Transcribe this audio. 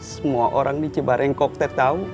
semua orang di jebareng kokte tahu